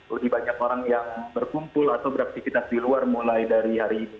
lebih banyak orang yang berkumpul atau beraktivitas di luar mulai dari hari ini